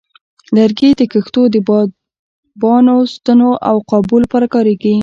لرګي د کښتو د بادبانو، ستنو، او قابو لپاره کارېږي.